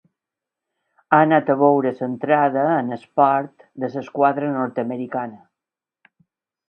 Ha anat a veure l'entrada al port de l'esquadra nord-americana.